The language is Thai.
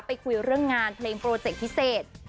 คุยเรื่องงานเพลงโปรเจคพิเศษ